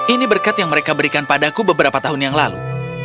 ini berkat yang mereka berikan padaku beberapa tahun yang lalu